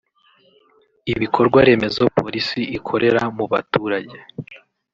ibikorwa remezo polisi ikorera mu baturage